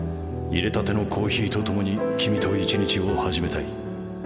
入れたてのコーヒーと共に君と一日を始めたい。